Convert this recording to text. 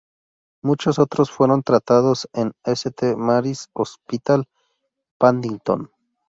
Muchos otros fueron tratados en St Mary's Hospital, Paddington.